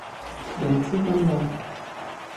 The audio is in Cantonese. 楊枝甘露